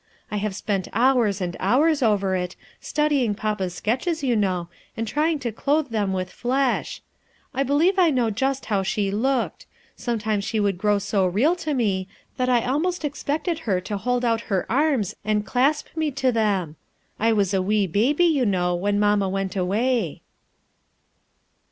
I have spent hours and hours over it, studying papa's sketches, you know, and trying to clothe them with flesh. I believe I know just how she looked. Sometimes she would grow so real to me that I almost expected her to hold out her arms and clasp me to them, I was a wee baby, you know, when mamma went away."